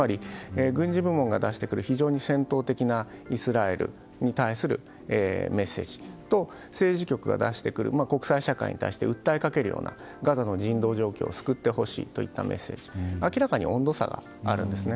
軍事部門が出してくる非常に戦闘的なイスラエルに対するメッセージと政治局が出してくる国際社会に対して訴えかけるようなガザの人道状況を救ってほしいというメッセージに明らかに温度差があるんですね。